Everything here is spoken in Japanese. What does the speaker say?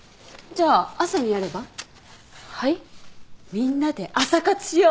みんなで朝活しよう！